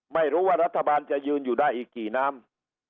ไม่รู้ว่ารัฐบาลจะยืนอยู่ได้อีกกี่น้ำ